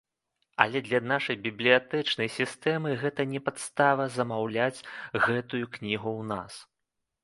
Але для нашай бібліятэчнай сістэмы гэта не падстава замаўляць гэтую кнігу ў нас.